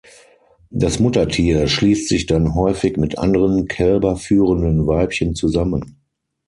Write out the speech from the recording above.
Das Muttertier schließt sich dann häufig mit anderen Kälber führenden Weibchen zusammen.